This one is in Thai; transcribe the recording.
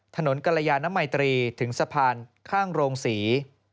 ถนนกรยานมัยตรีถึงสะพานข้างโรงศรี